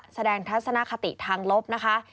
ทัศนคติทางลบนะคะ